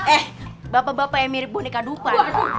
eh bapak bapaknya mirip boneka dupa